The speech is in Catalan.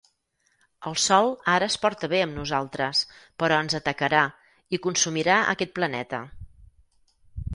El sol ara es porta bé amb nosaltres, però ens atacarà i consumirà aquest planeta.